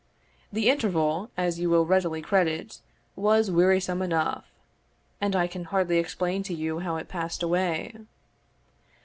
The interval, as you will readily credit, was wearisome enough; and I can hardly explain to you how it passed away.